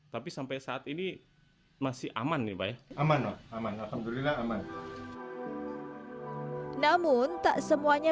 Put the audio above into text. tapi sampai saat ini masih aman nih pak ya aman aman alhamdulillah aman namun tak semuanya